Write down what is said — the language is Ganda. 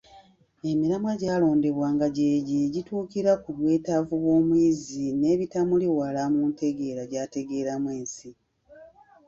Emiramwa gyalondebwa nga gy’egyo egituukira ku bwetaavu bw’omuyizi n’ebitamuli wala mu ntegeera gy’ategeeramu ensi.